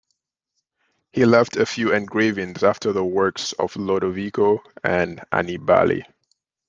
He left a few engravings after the works of Lodovico and Annibale.